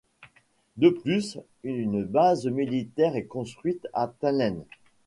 De plus, une base militaire est construite à Tallinn.